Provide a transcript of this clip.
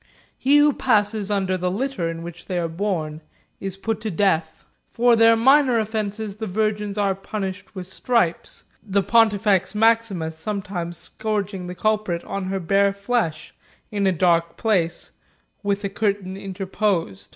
He who passes under the litter on which they are borne, is put to death. For their minor offences the virgins are punished with stripes, the Pontifex Maximus sometimes scourging the culprit on her bare flesh, in a dark place, with a curtain interposed.